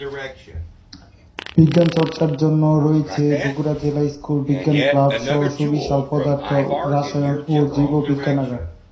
বিজ্ঞান চর্চার জন্য রয়েছে বগুড়া জিলা স্কুল বিজ্ঞান ক্লাব সহ সুবিশাল পদার্থ, রসায়ন ও জীববিজ্ঞানাগার।